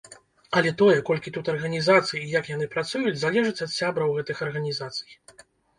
Але тое, колькі тут арганізацый і як яны працуюць, залежыць ад сябраў гэтых арганізацый.